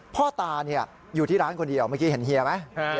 พ่อตาอยู่ที่ร้านคนเดียวเมื่อกี้เห็นเฮียไหม